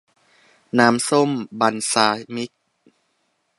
น้ำส้มบัลซามิก